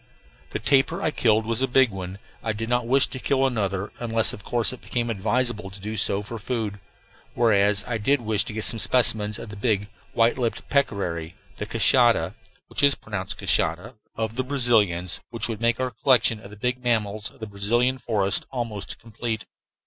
The tapir I killed was a big one. I did not wish to kill another, unless, of course, it became advisable to do so for food; whereas I did wish to get some specimens of the big, white lipped peccary, the "queixa" (pronounced "cashada") of the Brazilians, which would make our collection of the big mammals of the Brazilian forests almost complete.